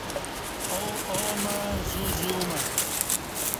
آو آومع زو زومع